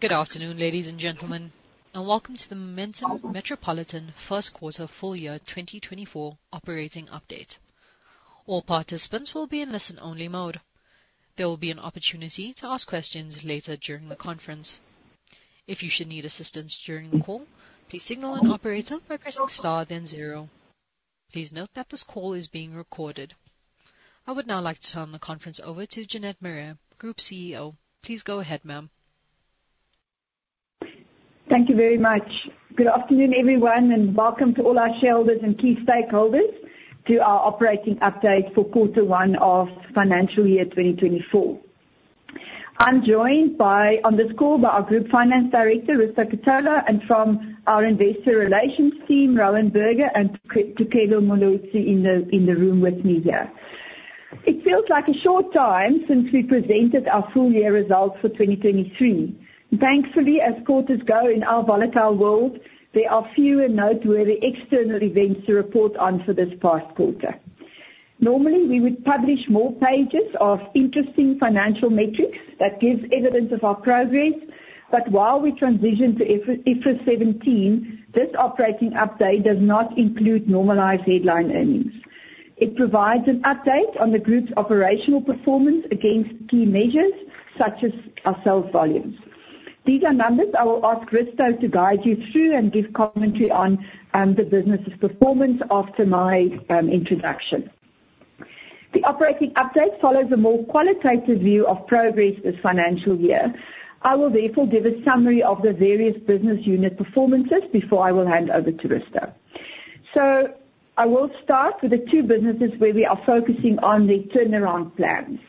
Good afternoon, ladies and gentlemen, and welcome to the Momentum Metropolitan first quarter full year 2024 operating update. All participants will be in listen-only mode. There will be an opportunity to ask questions later during the conference. If you should need assistance during the call, please signal an operator by pressing star then zero. Please note that this call is being recorded. I would now like to turn the conference over to Jeanette Marais, Group CEO. Please go ahead, ma'am. Thank you very much. Good afternoon, everyone, and welcome to all our shareholders and key stakeholders to our operating update for quarter one of financial year 2024. I'm joined by, on this call, by our Group Finance Director, Risto Ketola, and from our investor relations team, Rowan Burger and Tshego Moloto, in the, in the room with me here. It feels like a short time since we presented our full year results for 2023. Thankfully, as quarters go in our volatile world, there are fewer noteworthy external events to report on for this past quarter. Normally, we would publish more pages of interesting financial metrics that gives evidence of our progress. But while we transition to IFRS 17, this operating update does not include Normalized Headline Earnings. It provides an update on the group's operational performance against key measures such as our sales volumes. These are numbers I will ask Risto to guide you through and give commentary on, the business's performance after my introduction. The operating update follows a more qualitative view of progress this financial year. I will therefore give a summary of the various business unit performances before I will hand over to Risto. I will start with the two businesses where we are focusing on their turnaround plans.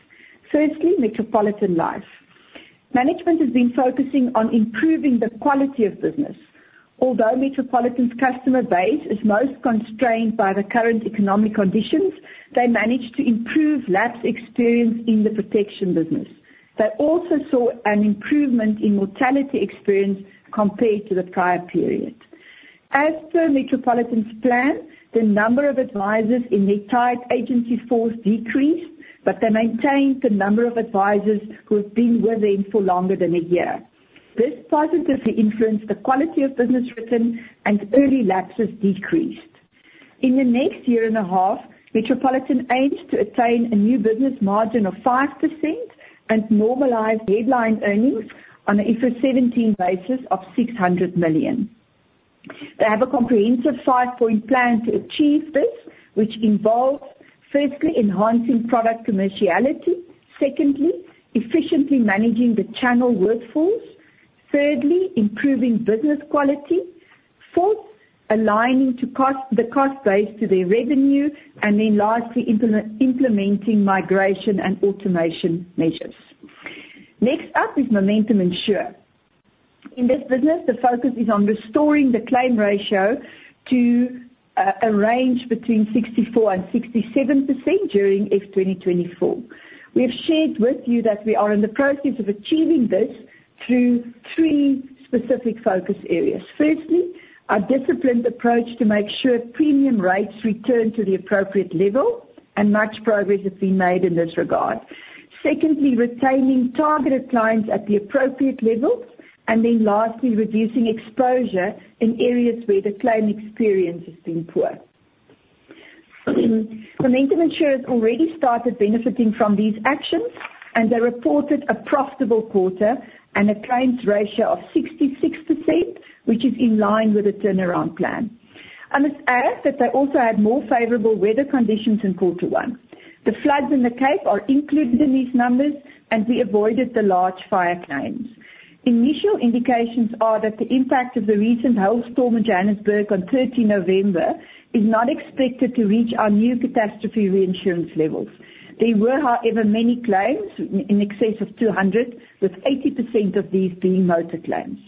Firstly, Metropolitan Life. Management has been focusing on improving the quality of business. Although Metropolitan's customer base is most constrained by the current economic conditions, they managed to improve lapse experience in the protection business. They also saw an improvement in mortality experience compared to the prior period. As per Metropolitan's plan, the number of advisors in their tied agency force decreased, but they maintained the number of advisors who have been with them for longer than a year. This positively influenced the quality of business written and early lapses decreased. In the next year and a half, Metropolitan aims to attain a new business margin of 5% and normalized headline earnings on an IFRS 17 basis of 600 million. They have a comprehensive 5-point plan to achieve this, which involves, firstly, enhancing product commerciality. Secondly, efficiently managing the 2 channel workforce. Thirdly, improving business quality. Fourth, aligning the cost base to their revenue. And then lastly, implementing migration and automation measures. Next up is Momentum Insure. In this business, the focus is on restoring the claim ratio to a range between 64% and 67% during FY 2024. We have shared with you that we are in the process of achieving this through three specific focus areas. Firstly, our disciplined approach to make sure premium rates return to the appropriate level, and much progress has been made in this regard. Secondly, retaining targeted clients at the appropriate levels. Then lastly, reducing exposure in areas where the claim experience has been poor. Momentum Insure has already started benefiting from these actions, and they reported a profitable quarter and a claims ratio of 66%, which is in line with the turnaround plan. I must add that they also had more favorable weather conditions in quarter one. The floods in the Cape are included in these numbers, and we avoided the large fire claims. Initial indications are that the impact of the recent hailstorm in Johannesburg on 30 November is not expected to reach our new catastrophe reinsurance levels. There were, however, many claims, in excess of 200, with 80% of these being motor claims.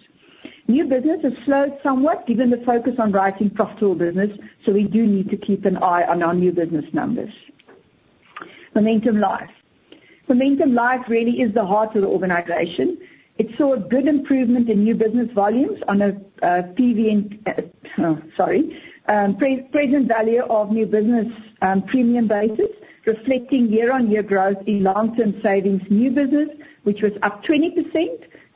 New business has slowed somewhat given the focus on writing profitable business, so we do need to keep an eye on our new business numbers. Momentum Life. Momentum Life really is the heart of the organization. It saw a good improvement in new business volumes on a PVNBP basis, reflecting year-on-year growth in long-term savings new business, which was up 20%,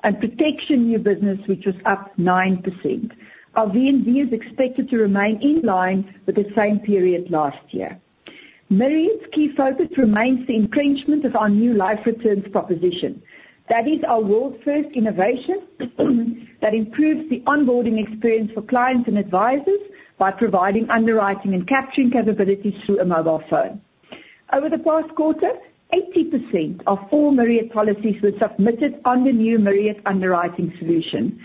and protection new business, which was up 9%. Our VNB is expected to remain in line with the same period last year. Myriad's key focus remains the entrenchment of our new Life Returns proposition. That is our world's first innovation that improves the onboarding experience for clients and advisors by providing underwriting and capturing capabilities through a mobile phone. Over the past quarter, 80% of all Myriad policies were submitted on the new Myriad underwriting solution.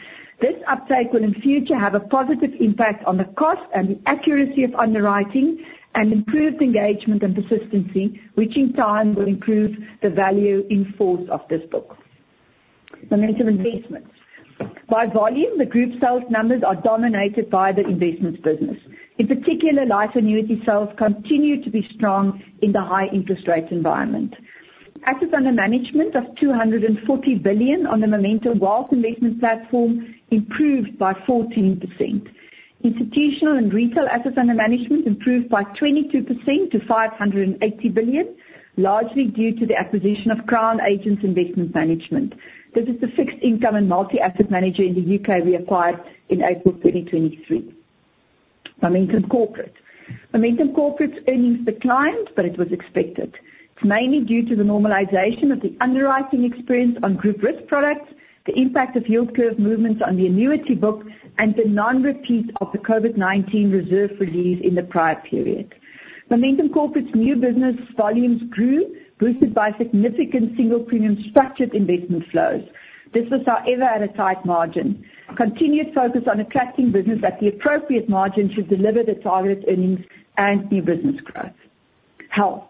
This uptake will in future have a positive impact on the cost and the accuracy of underwriting and improved engagement and persistency, which in time will improve the value in force of this book. Momentum Investments. By volume, the group sales numbers are dominated by the investments business. In particular, life annuity sales continue to be strong in the high interest rate environment. Assets under management of 240 billion on the Momentum Wealth investment platform improved by 14%.... Institutional and retail assets under management improved by 22% to 580 billion, largely due to the acquisition of Crown Agents Investment Management. This is the fixed income and multi-asset manager in the UK we acquired in April 2023. Momentum Corporate. Momentum Corporate's earnings declined, but it was expected. It's mainly due to the normalization of the underwriting experience on group risk products, the impact of yield curve movements on the annuity book, and the non-repeat of the COVID-19 reserve release in the prior period. Momentum Corporate's new business volumes grew, boosted by significant single-premium structured investment flows. This was, however, at a tight margin. Continued focus on attracting business at the appropriate margin should deliver the target earnings and new business growth. Health.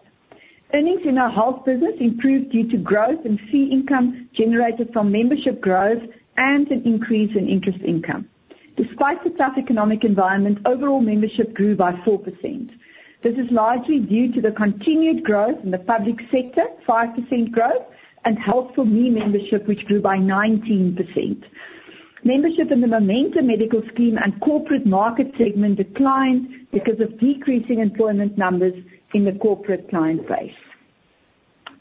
Earnings in our health business improved due to growth in fee income generated from membership growth and an increase in interest income. Despite the tough economic environment, overall membership grew by 4%. This is largely due to the continued growth in the public sector, 5% growth, and Health4Me membership, which grew by 19%. Membership in the Momentum medical scheme and corporate market segment declined because of decreasing employment numbers in the corporate client base.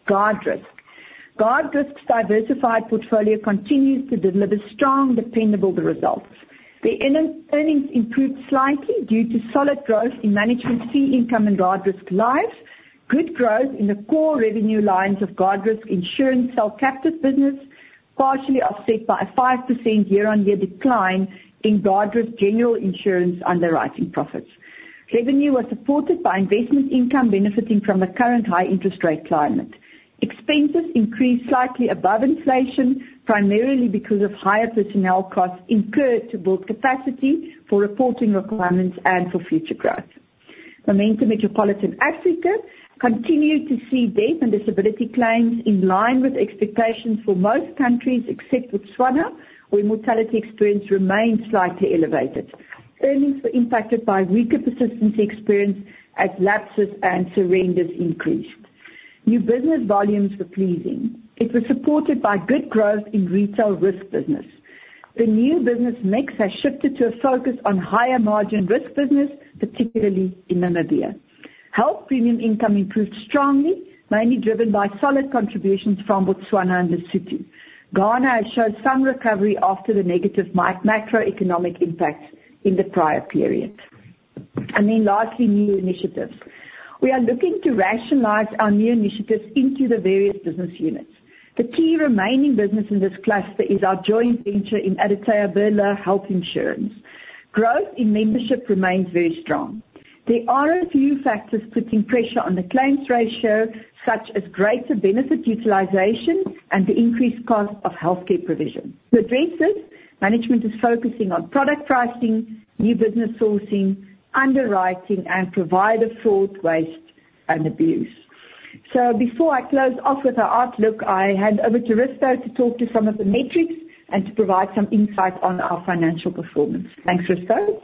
Guardrisk. Guardrisk's diversified portfolio continues to deliver strong, dependable results. The in-year earnings improved slightly due to solid growth in management fee income and Guardrisk Life, good growth in the core revenue lines of Guardrisk Insurance cell captive business, partially offset by a 5% year-on-year decline in Guardrisk general insurance underwriting profits. Revenue was supported by investment income benefiting from the current high interest rate climate. Expenses increased slightly above inflation, primarily because of higher personnel costs incurred to build capacity for reporting requirements and for future growth. Momentum Metropolitan Africa continued to see death and disability claims in line with expectations for most countries, except Botswana, where mortality experience remains slightly elevated. Earnings were impacted by weaker persistency experience as lapses and surrenders increased. New business volumes were pleasing. It was supported by good growth in retail risk business. The new business mix has shifted to a focus on higher-margin risk business, particularly in Namibia. Health premium income improved strongly, mainly driven by solid contributions from Botswana and Lesotho. Ghana has showed some recovery after the negative macroeconomic impact in the prior period. Then lastly, new initiatives. We are looking to rationalize our new initiatives into the various business units. The key remaining business in this cluster is our joint venture in Aditya Birla Health Insurance. Growth in membership remains very strong. There are a few factors putting pressure on the claims ratio, such as greater benefit utilization and the increased cost of healthcare provision. To address this, management is focusing on product pricing, new business sourcing, underwriting, and provider fraud, waste, and abuse. Before I close off with our outlook, I hand over to Risto to talk to some of the metrics and to provide some insight on our financial performance. Thanks, Risto.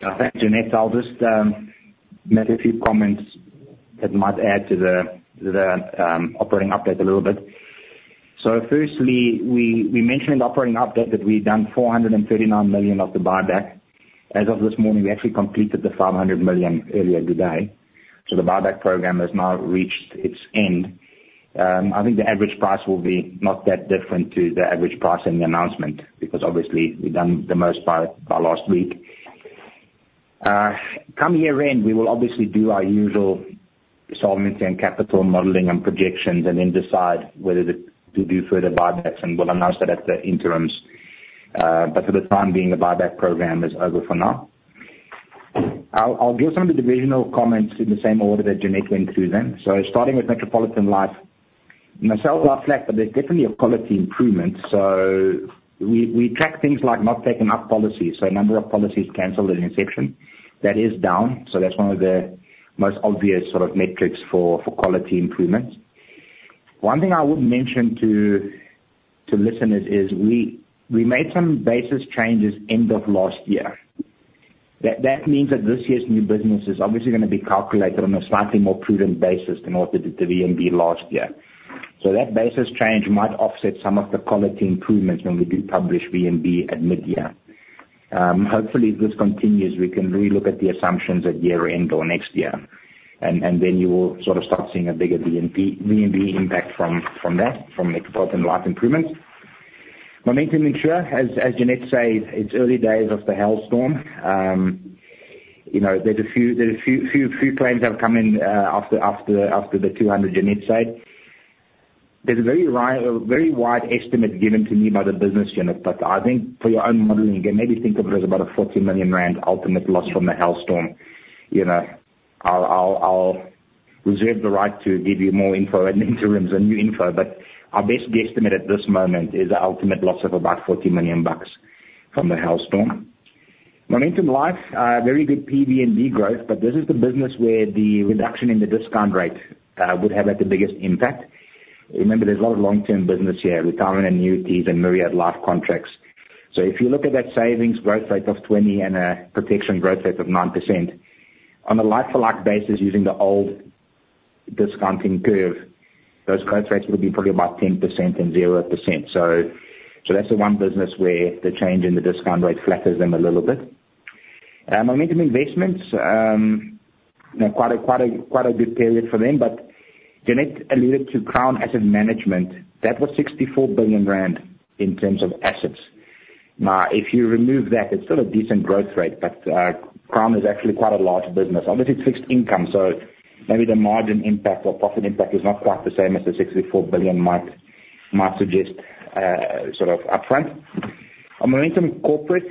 Yeah, thanks, Jeanette. I'll just make a few comments that might add to the operating update a little bit. So firstly, we mentioned in the operating update that we've done 439 million of the buyback. As of this morning, we actually completed the 500 million earlier today, so the buyback program has now reached its end. I think the average price will be not that different to the average price in the announcement, because obviously we've done the most by last week. Come year-end, we will obviously do our usual solvency and capital modeling and projections and then decide whether to do further buybacks, and we'll announce that at the interims. But for the time being, the buyback program is over for now. I'll, I'll give some of the divisional comments in the same order that Jeanette went through them. So starting with Metropolitan Life, the sales are flat, but there's definitely a quality improvement. So we, we track things like not taking up policies, so a number of policies canceled in inception. That is down, so that's one of the most obvious sort of metrics for, for quality improvements. One thing I would mention to, to listeners is we, we made some basis changes end of last year. That, that means that this year's new business is obviously gonna be calculated on a slightly more prudent basis than what it did VNB last year. So that basis change might offset some of the quality improvements when we do publish VNB at mid-year. Hopefully, if this continues, we can relook at the assumptions at year-end or next year, and then you will sort of start seeing a bigger VNB, VNB impact from that, from Metropolitan Life improvements. Momentum Insure, as Jeanette said, it's early days of the hailstorm. You know, there's a few claims have come in after the 200 Jeanette said. There's a very wide estimate given to me by the business unit, but I think for your own modeling, you can maybe think of it as about a 40 million rand ultimate loss from the hailstorm. You know, I'll reserve the right to give you more info at interims and new info, but our best guess estimate at this moment is an ultimate loss of about 40 million bucks from the hailstorm. Momentum Life, very good PVNBP growth, but this is the business where the reduction in the discount rate would have had the biggest impact. Remember, there's a lot of long-term business here, retirement annuities and Myriad life contracts. So if you look at that savings growth rate of 20 and a protection growth rate of 9%, on a like-for-like basis, using the old PV discounting curve, those growth rates would be probably about 10% and 0%. So, so that's the one business where the change in the discount rate flatters them a little bit. Momentum Investments, you know, quite a good period for them. But Jeanette alluded to Crown Agents Investment Management. That was 64 billion rand in terms of assets. Now, if you remove that, it's still a decent growth rate, but Crown is actually quite a large business. Obviously, it's fixed income, so maybe the margin impact or profit impact is not quite the same as the 64 billion might suggest, sort of upfront. On Momentum Corporate,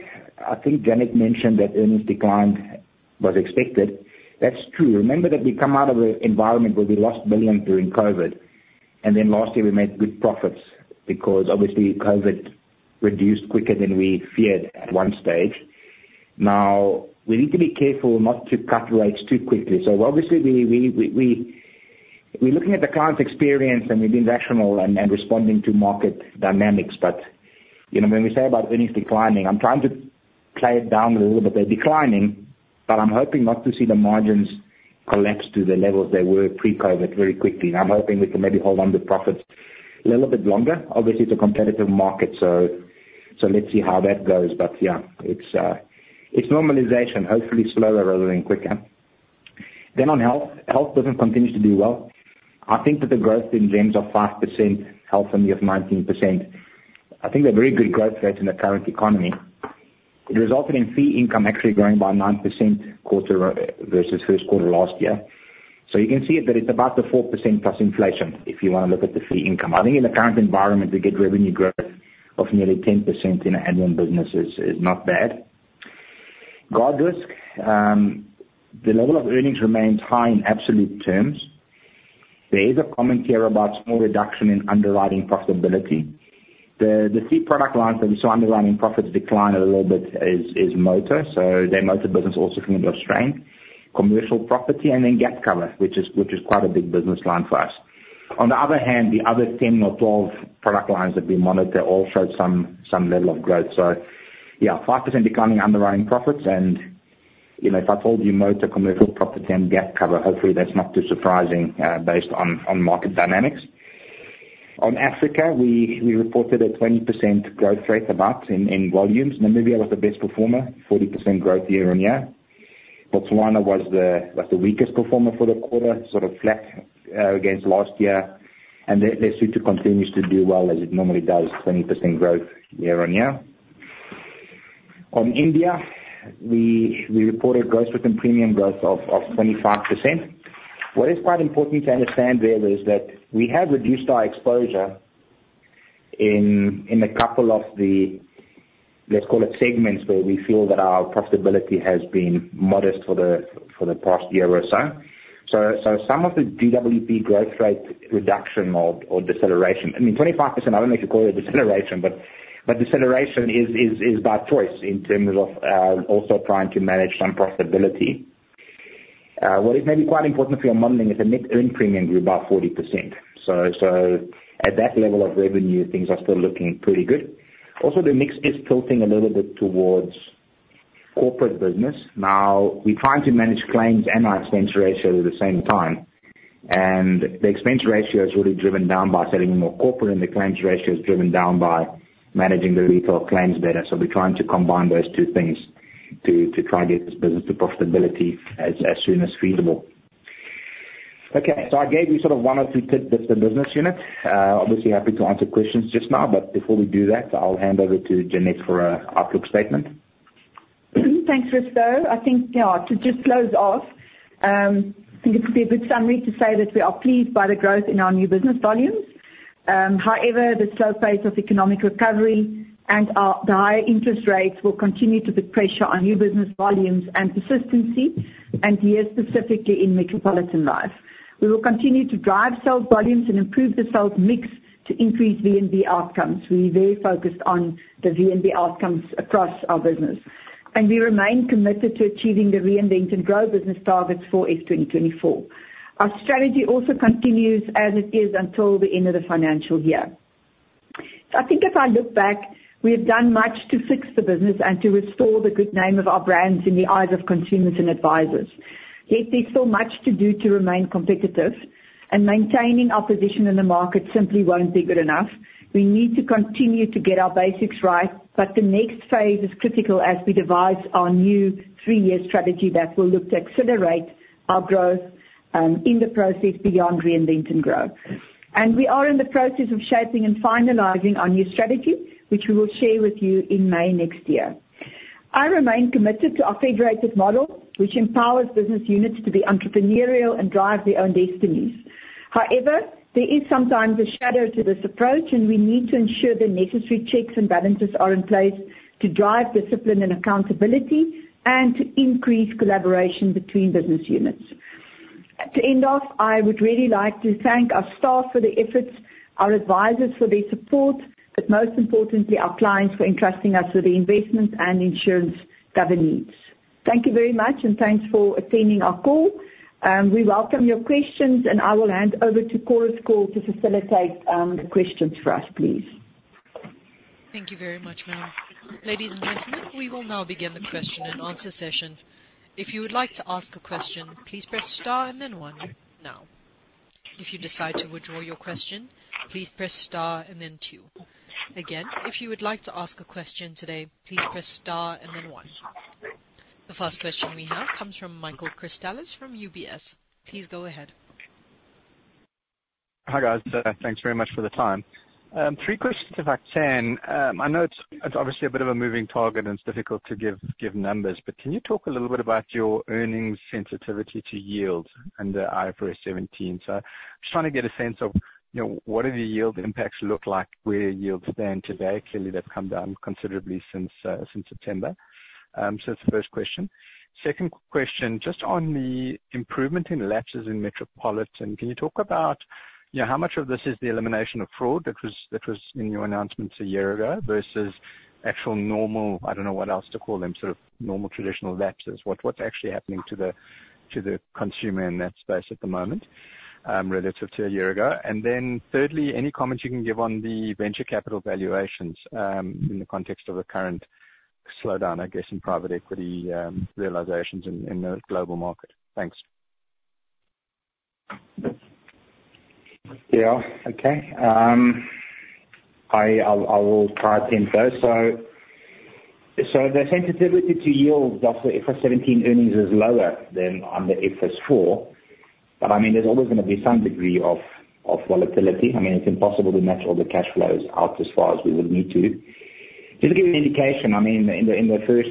I think Jeanette mentioned that earnings decline was expected. That's true. Remember that we come out of an environment where we lost millions during COVID, and then last year we made good profits because obviously COVID reduced quicker than we feared at one stage. Now, we need to be careful not to cut rates too quickly. So obviously, we're looking at the client experience, and we're being rational and responding to market dynamics. But, you know, when we say about earnings declining, I'm trying to play it down a little bit. They're declining, but I'm hoping not to see the margins collapse to the levels they were pre-COVID very quickly. I'm hoping we can maybe hold on to profits a little bit longer. Obviously, it's a competitive market, so, so let's see how that goes. But yeah, it's normalization, hopefully slower rather than quicker. Then on Health. Health business continues to do well. I think that the growth in terms of 5%, Health only of 19%. I think they're very good growth rates in the current economy. It resulted in fee income actually growing by 9% quarter versus first quarter last year. So you can see that it's about the 4% plus inflation if you want to look at the fee income. I think in the current environment, to get revenue growth of nearly 10% in an annual business is not bad. Guardrisk, the level of earnings remains high in absolute terms. There is a comment here about small reduction in underwriting profitability. The key product lines that we saw underwriting profits decline a little bit is motor. So their motor business also feeling the strain. Commercial property and then gap cover, which is quite a big business line for us. On the other hand, the other 10 or 12 product lines that we monitor all showed some level of growth. So yeah, 5% declining underwriting profits and, you know, if I told you motor, commercial property and gap cover, hopefully that's not too surprising, based on market dynamics. On Africa, we reported a 20% growth rate about in volumes. Namibia was the best performer, 40% growth year-on-year. Botswana was the weakest performer for the quarter, sort of flat against last year. And then Lesotho continues to do well, as it normally does, 20% growth year-on-year. On India, we reported gross written premium growth of 25%. What is quite important to understand there is that we have reduced our exposure in a couple of the, let's call it segments, where we feel that our profitability has been modest for the past year or so. So some of the GWP growth rate reduction or deceleration, I mean, 25%, I don't know if you call it deceleration, but deceleration is by choice in terms of also trying to manage some profitability. What is maybe quite important for your modeling is the net earned premium grew about 40%. So at that level of revenue, things are still looking pretty good. Also, the mix is tilting a little bit towards corporate business. Now, we're trying to manage claims and our expense ratio at the same time, and the expense ratio is really driven down by selling more corporate, and the claims ratio is driven down by managing the retail claims better. So we're trying to combine those two things to try and get this business to profitability as soon as feasible. Okay, so I gave you sort of one or two tidbits of business units. Obviously happy to answer questions just now, but before we do that, I'll hand over to Jeanette for an outlook statement. Thanks, Risto. I think, yeah, to just close off, I think it would be a good summary to say that we are pleased by the growth in our new business volumes. However, the slow pace of economic recovery and our, the higher interest rates will continue to put pressure on new business volumes and persistency, and here, specifically in Metropolitan Life. We will continue to drive sales volumes and improve the sales mix to increase VNB outcomes. We're very focused on the VNB outcomes across our business, and we remain committed to achieving the Reinvent and Grow business targets for FY 2024. Our strategy also continues as it is until the end of the financial year. So I think if I look back, we have done much to fix the business and to restore the good name of our brands in the eyes of consumers and advisors. Yet there's still much to do to remain competitive, and maintaining our position in the market simply won't be good enough. We need to continue to get our basics right, but the next phase is critical as we devise our new three-year strategy that will look to accelerate our growth in the process beyond Reinvent and Grow. We are in the process of shaping and finalizing our new strategy, which we will share with you in May next year. I remain committed to our federated model, which empowers business units to be entrepreneurial and drive their own destinies. However, there is sometimes a shadow to this approach, and we need to ensure the necessary checks and balances are in place to drive discipline and accountability and to increase collaboration between business units. To end off, I would really like to thank our staff for their efforts, our advisors for their support, but most importantly, our clients for entrusting us with their investment and insurance cover needs. Thank you very much, and thanks for attending our call. We welcome your questions, and I will hand over to Chorus Call to facilitate the questions for us, please.... Thank you very much, ma'am. Ladies and gentlemen, we will now begin the question and answer session. If you would like to ask a question, please press star and then one now. If you decide to withdraw your question, please press star and then two. Again, if you would like to ask a question today, please press star and then one. The first question we have comes from Michael Gillies from UBS. Please go ahead. Hi, guys. Thanks very much for the time. Three questions, if I can. I know it's, it's obviously a bit of a moving target, and it's difficult to give, give numbers, but can you talk a little bit about your earnings sensitivity to yields under IFRS 17? So just trying to get a sense of, you know, what are the yield impacts look like, where yields stand today. Clearly, they've come down considerably since September. So that's the first question. Second question, just on the improvement in lapses in Metropolitan, can you talk about, you know, how much of this is the elimination of fraud that was, that was in your announcements a year ago versus actual normal, I don't know what else to call them, sort of normal, traditional lapses? What's actually happening to the consumer in that space at the moment, relative to a year ago? And then thirdly, any comments you can give on the venture capital valuations, in the context of the current slowdown, I guess, in private equity, realizations in the global market? Thanks. Yeah. Okay. I'll try and pinpoint. So the sensitivity to yields after IFRS 17 earnings is lower than on the IFRS 4, but I mean, there's always gonna be some degree of volatility. I mean, it's impossible to match all the cash flows out as far as we would need to. Just to give you an indication, I mean, in the first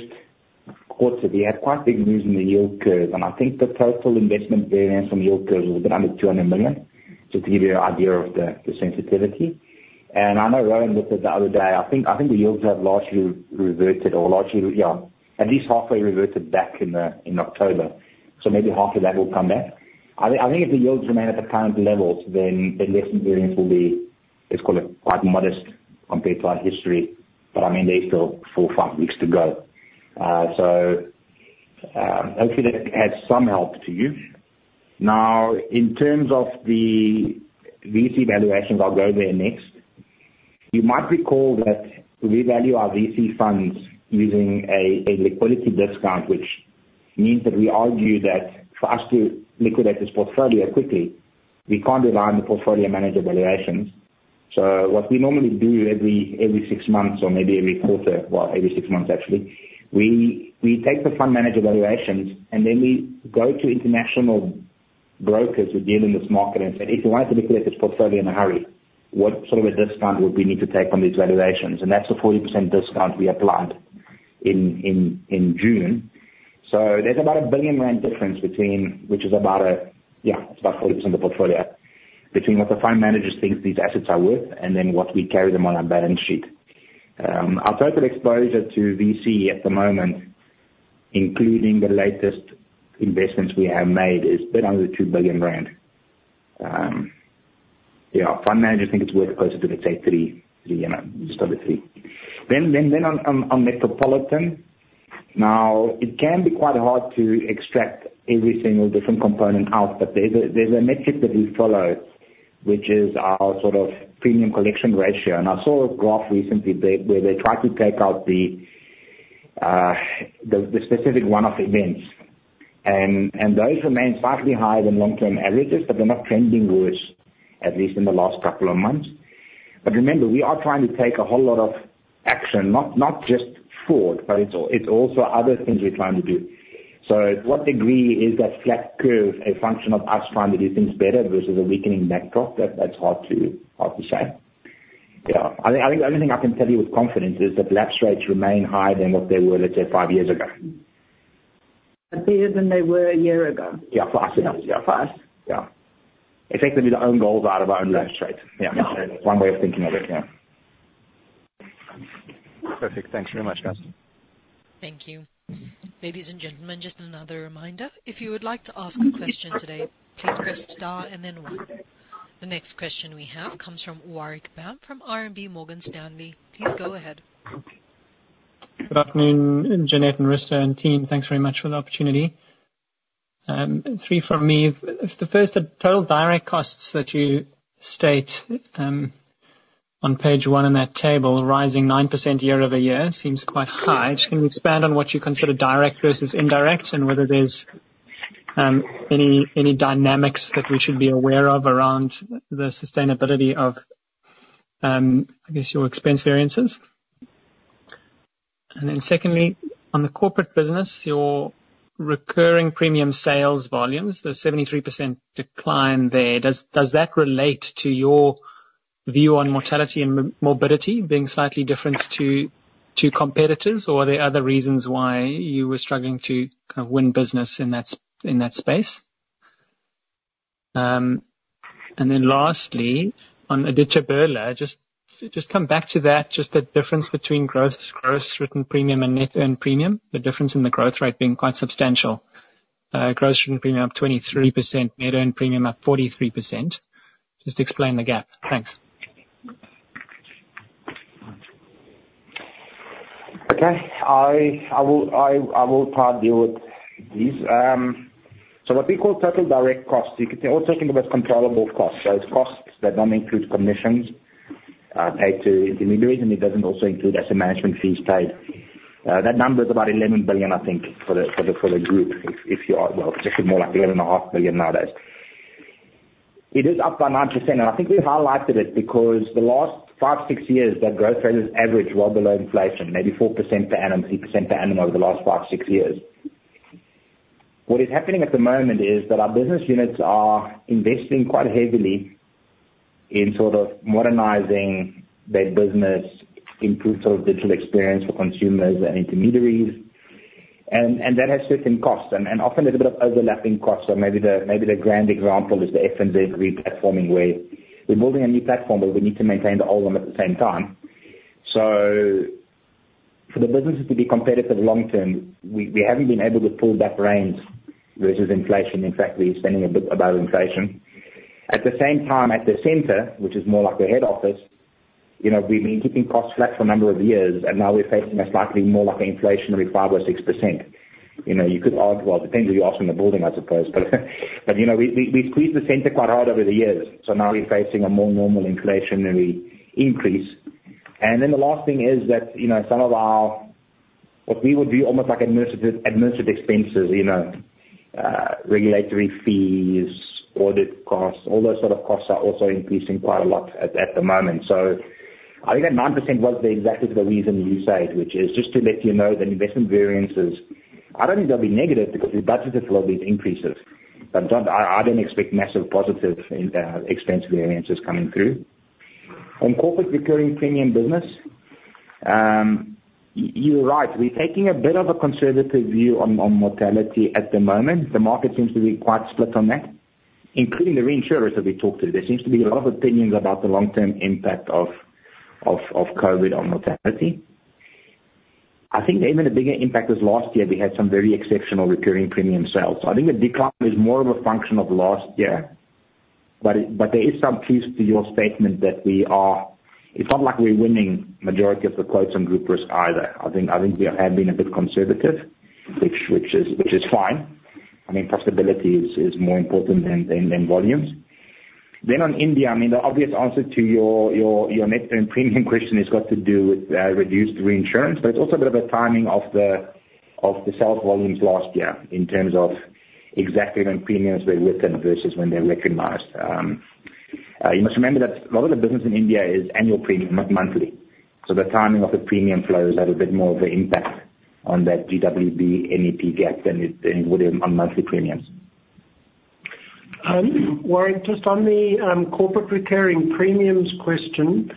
quarter, we had quite big moves in the yield curve, and I think the total investment variance from yield curve was a bit under 200 million, just to give you an idea of the sensitivity. And I know Rowan looked at the other day, I think the yields have largely reverted or largely, yeah, at least halfway reverted back in October. So maybe half of that will come back. I think if the yields remain at the current levels, then the less variance will be, let's call it, quite modest compared to our history. But, I mean, there's still four, five weeks to go. So, hopefully that adds some help to you. Now, in terms of the VC valuations, I'll go there next. You might recall that we value our VC funds using a liquidity discount, which means that we argue that for us to liquidate this portfolio quickly, we can't rely on the portfolio manager valuations. So what we normally do every six months or maybe every quarter, well, every six months actually, we take the fund manager valuations, and then we go to international brokers who deal in this market and say, "If you want to liquidate this portfolio in a hurry, what sort of a discount would we need to take on these valuations?" And that's a 40% discount we applied in June. So there's about a 1 billion rand difference between, which is about a... Yeah, it's about 40% of the portfolio, between what the fund managers think these assets are worth and then what we carry them on our balance sheet. Our total exposure to VC at the moment, including the latest investments we have made, is a bit under 2 billion rand. Yeah, fund managers think it's worth closer to, let's say, three, three, you know, just over three. Then on Metropolitan. Now, it can be quite hard to extract every single different component out, but there's a metric that we follow, which is our sort of premium collection ratio. And I saw a graph recently where they tried to take out the specific one-off events. And those remain slightly higher than long-term averages, but they're not trending worse, at least in the last couple of months. But remember, we are trying to take a whole lot of action, not just fraud, but it's also other things we're trying to do. So what degree is that flat curve a function of us trying to do things better versus a weakening macro? That, that's hard to say. Yeah. I think the only thing I can tell you with confidence is that lapse rates remain higher than what they were, let's say, five years ago. Higher than they were a year ago? Yeah, fast enough. Yeah, fast. Yeah. Effectively, their own goals are out of our own lapse rates. Yeah. One way of thinking of it, yeah. Perfect. Thanks very much, guys. Thank you. Ladies and gentlemen, just another reminder, if you would like to ask a question today, please press star and then one. The next question we have comes from Warwick Bam from RMB Morgan Stanley. Please go ahead. Good afternoon, Jeanette and Risto and team. Thanks very much for the opportunity. Three from me. The first, the total direct costs that you state on page one in that table, rising 9% year-over-year, seems quite high. Just can you expand on what you consider direct versus indirect and whether there's any dynamics that we should be aware of around the sustainability of, I guess, your expense variances? And then secondly, on the corporate business, your recurring premium sales volumes, the 73% decline there, does that relate to your view on mortality and morbidity being slightly different to competitors? Or are there other reasons why you were struggling to, kind of, win business in that space? And then lastly, on Aditya Birla, just, just come back to that, just the difference between gross written premium and net earned premium, the difference in the growth rate being quite substantial. Gross written premium up 23%, net earned premium up 43%. Just explain the gap. Thanks.... Okay, I will start deal with these. So what we call total direct costs, you could, we're talking about controllable costs. So it's costs that don't include commissions paid to intermediaries, and it doesn't also include asset management fees paid. That number is about 11 billion, I think, for the group. If you are, well, actually more like 11.5 billion nowadays. It is up by 9%, and I think we highlighted it because the last five, six years, that growth rate is average, well below inflation, maybe 4% per annum, 6% per annum over the last five, six years. What is happening at the moment is that our business units are investing quite heavily in sort of modernizing their business, improve sort of digital experience for consumers and intermediaries. And that has certain costs and often a little bit of overlapping costs. So maybe the grand example is the FNB replatforming, where we're building a new platform, but we need to maintain the old one at the same time. So for the businesses to be competitive long term, we haven't been able to pull back reins versus inflation. In fact, we're spending a bit above inflation. At the same time, at the center, which is more like the head office, you know, we've been keeping costs flat for a number of years, and now we're facing a slightly more like an inflationary 5% or 6%. You know, you could argue, well, it depends who you ask in the building, I suppose. But, you know, we squeezed the center quite hard over the years, so now we're facing a more normal inflationary increase. And then the last thing is that, you know, some of our... What we would view almost like administrative expenses, you know, regulatory fees, audit costs, all those sort of costs are also increasing quite a lot at the moment. So I think that 9% was the exactly the reason you said, which is just to let you know that investment variances, I don't think they'll be negative because we budgeted for all these increases. But don't, I don't expect massive positive, in, expense variances coming through. On corporate recurring premium business, you're right. We're taking a bit of a conservative view on mortality at the moment. The market seems to be quite split on that, including the reinsurers that we talked to. There seems to be a lot of opinions about the long-term impact of Covid on mortality. I think even a bigger impact is last year we had some very exceptional recurring premium sales. So I think the decline is more of a function of last year. But there is some truth to your statement that we are. It's not like we're winning majority of the quotes on group risk either. I think we have been a bit conservative, which is fine. I mean, profitability is more important than volumes. Then on India, I mean, the obvious answer to your, your, your net and premium question has got to do with reduced reinsurance, but it's also a bit of a timing of the, of the sales volumes last year, in terms of exactly when premiums were written versus when they're recognized. You must remember that a lot of the business in India is annual premium, not monthly. So the timing of the premium flows had a bit more of an impact on that GWB NAB gap than it, than it would have on monthly premiums. Warrick, just on the corporate recurring premiums question.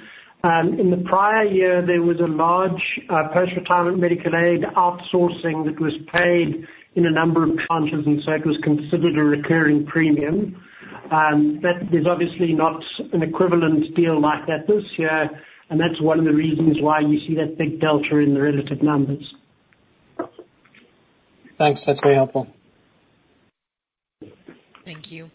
In the prior year, there was a large post-retirement medical aid outsourcing that was paid in a number of tranches, and so it was considered a recurring premium. But there's obviously not an equivalent deal like that this year, and that's one of the reasons why you see that big delta in the relative numbers. Thanks. That's very helpful. Thank you.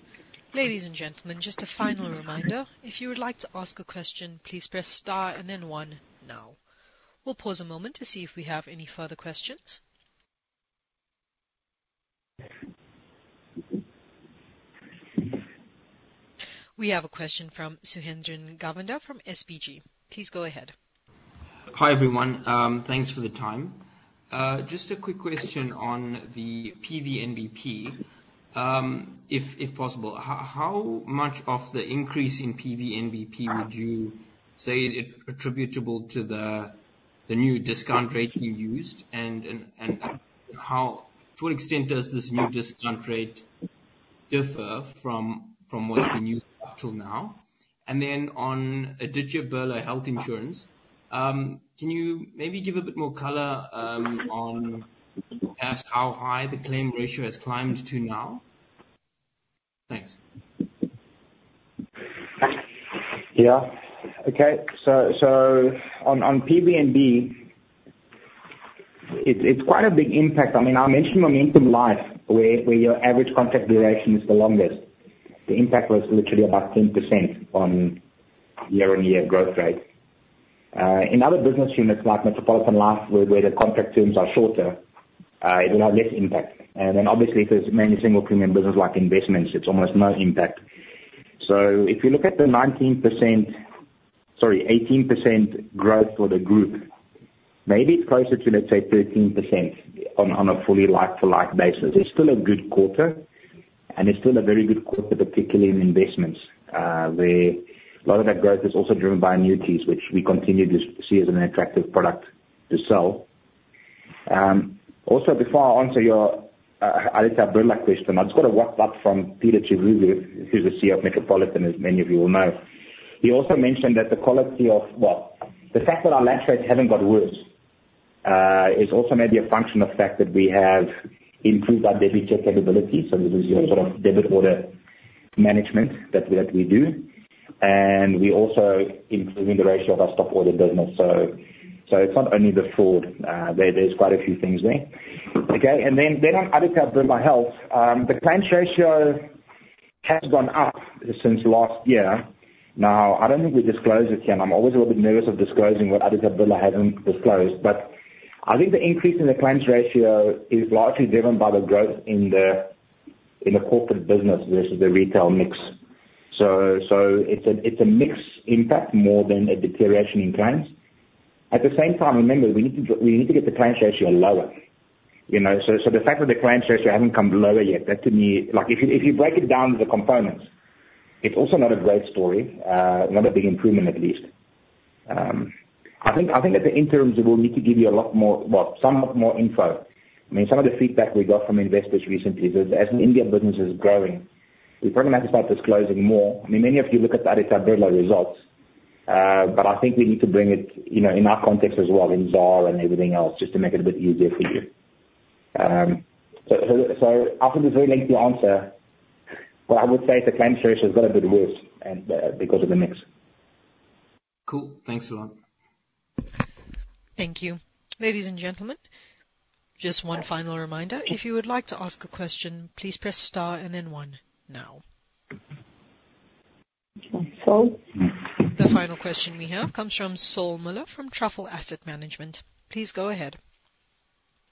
Ladies and gentlemen, just a final reminder, if you would like to ask a question, please press star and then one now. We'll pause a moment to see if we have any further questions. We have a question from Suhundran Govender from SBG. Please go ahead. Hi, everyone. Thanks for the time. Just a quick question on the PVNBP, if possible. How much of the increase in PVNBP would you say is attributable to the new discount rate you used? And to what extent does this new discount rate differ from what you've used till now? And then on Aditya Birla Health Insurance, can you maybe give a bit more color on perhaps how high the claim ratio has climbed to now? Thanks. Yeah. Okay. So, so on PVNBP, it's, it's quite a big impact. I mean, I mentioned Momentum Life, where, where your average contract duration is the longest. The impact was literally about 10% on year-on-year growth rate. In other business units like Metropolitan Life, where, where the contract terms are shorter, it will have less impact. And then obviously, if there's mainly single premium business like investments, it's almost no impact. So if you look at the 19%, sorry, 18% growth for the group, maybe it's closer to, let's say, 13% on, on a fully like-for-like basis. It's still a good quarter, and it's still a very good quarter, particularly in investments, where a lot of that growth is also driven by annuities, which we continue to see as an attractive product to sell. Also, before I answer your Aditya Birla question, I've just got a WhatsApp from Peter Tshiguvho, who's the CEO of Metropolitan, as many of you will know. He also mentioned that the quality of... Well, the fact that our lag rates haven't got worse is also maybe a function of the fact that we have improved our DebiCheck capability. So this is your sort of debit order management that, that we do, and we're also improving the ratio of our stop order business. So, so it's not only the fraud, there, there's quite a few things there. Okay, and then, then on Aditya Birla Health, the claims ratio has gone up since last year. Now, I don't think we disclosed it, and I'm always a little bit nervous of disclosing what Aditya Birla hasn't disclosed, but I think the increase in the claims ratio is largely driven by the growth in the, in the corporate business versus the retail mix. So, so it's a, it's a mix impact more than a deterioration in claims. At the same time, remember, we need to get the claims ratio lower. You know, so, so the fact that the claims ratio haven't come lower yet, that to me, like, if you, if you break it down to the components, it's also not a great story, not a big improvement, at least. I think, I think that the interims will need to give you a lot more, well, some more info. I mean, some of the feedback we got from investors recently is, as the India business is growing, we're probably gonna have to start disclosing more. I mean, many of you look at Aditya Birla results, but I think we need to bring it, you know, in our context as well, in ZAR and everything else, just to make it a bit easier for you. So after this very lengthy answer, what I would say is the claim ratio has got a bit worse and, because of the mix. Cool. Thanks a lot. Thank you. Ladies and gentlemen, just one final reminder. If you would like to ask a question, please press star and then one now. Saul? The final question we have comes from Saul Miller, from Truffle Asset Management. Please go ahead.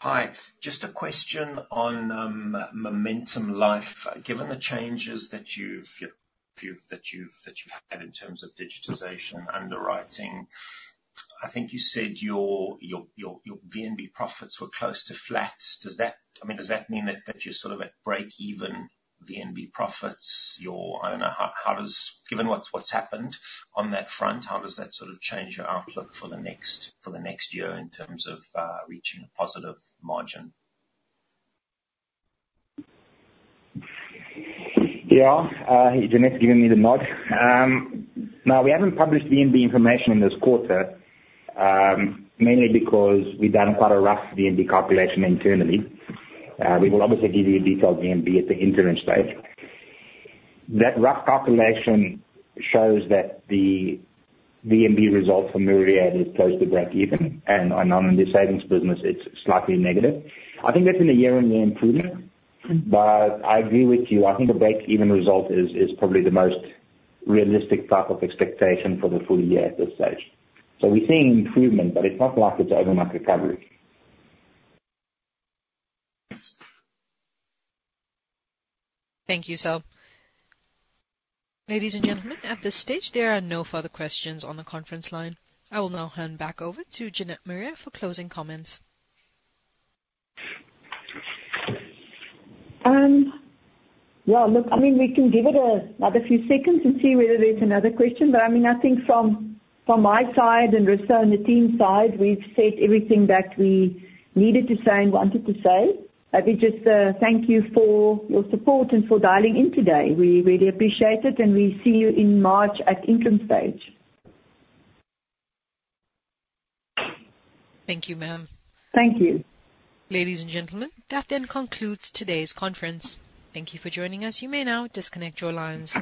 Hi. Just a question on Momentum Life. Given the changes that you've had in terms of digitization, underwriting, I think you said your VNB profits were close to flat. Does that... I mean, does that mean that you're sort of at break even VNB profits? I don't know, how does, given what's happened on that front, how does that sort of change your outlook for the next year in terms of reaching a positive margin? Yeah. Jeanette's giving me the nod. Now, we haven't published VNB information in this quarter, mainly because we've done quite a rough VNB calculation internally. We will obviously give you a detailed VNB at the interim stage. That rough calculation shows that the VNB result from Myriad is close to break even, and on non-interest savings business, it's slightly negative. I think that's in a year-on-year improvement. But I agree with you, I think a break-even result is probably the most realistic type of expectation for the full year at this stage. So we're seeing improvement, but it's not like it's overnight recovery. Thank you, Saul. Ladies and gentlemen, at this stage, there are no further questions on the conference line. I will now hand back over to Jeanette Marais for closing comments. Yeah, look, I mean, we can give it another few seconds and see whether there's another question. But, I mean, I think from my side and Risto and the team's side, we've said everything that we needed to say and wanted to say. I think just thank you for your support and for dialing in today. We really appreciate it, and we'll see you in March at interim stage. Thank you, ma'am. Thank you. Ladies and gentlemen, that then concludes today's conference. Thank you for joining us. You may now disconnect your lines.